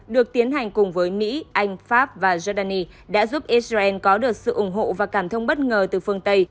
được tiến hành cùng với mỹ anh pháp và giordani đã giúp israel có được sự ủng hộ và cảm thông bất ngờ từ phương tây